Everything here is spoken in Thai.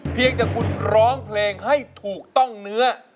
เพียงแต่คุณร้องเพลงให้ถูกต้องเนื้อ